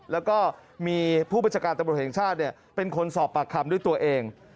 แล้วก็มีผู้บัญชาการตำรวจแห่งชาติเป็นคนสอบปากคำด้วยตัวเอง